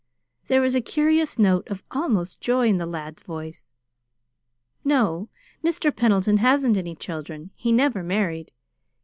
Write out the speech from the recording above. There was a curious note of almost joy in the lad's voice. "No. Mr. Pendleton hasn't any children. He never married.